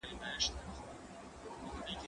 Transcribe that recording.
زه به اوږده موده د زده کړو تمرين کړی وم؟!